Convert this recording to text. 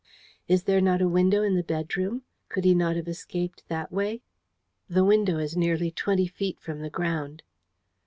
"Is there not a window in the bedroom? Could he not have escaped that way?" "The window is nearly twenty feet from the ground."